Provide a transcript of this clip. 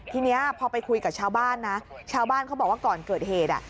ทีนี้พอไปคุยกับชาวบ้านนะชาวบ้านเขาบอกว่าก่อนเกิดเหตุ